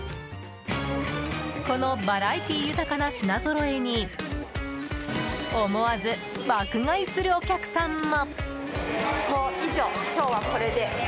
このバラエティー豊かな品ぞろえに思わず爆買いするお客さんも。